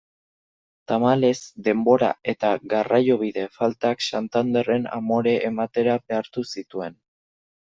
Tamalez, denbora eta garraiobide faltak Santanderren amore ematera behartu zituen.